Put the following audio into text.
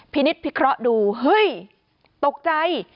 พี่นิดผิดเขาดูเฮ้ยตกใจ